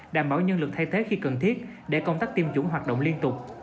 đảm bảo nhân lực thay thế khi cần thiết để công tác tiêm chủng hoạt động liên tục